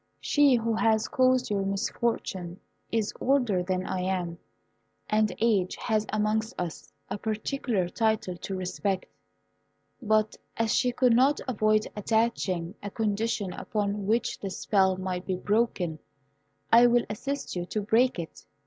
She who has caused your misfortune is older than I am, and age has amongst us a particular title to respect. But as she could not avoid attaching a condition upon which the spell might be broken, I will assist you to break it.